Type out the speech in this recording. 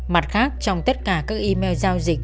mặt khác trong tất cả các email giao dịch